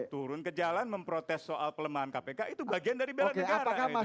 turun ke jalan memprotes soal pelemahan kpk itu bagian dari bela negara